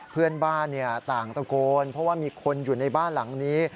เพื่อนบ้านต่างตะโกนเพราะว่ามีคนอยู่ในบ้านหลังนี้